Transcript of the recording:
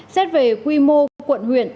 xét về quy mô của quận huyện